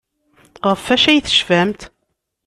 Ɣef wacu ay tecfamt?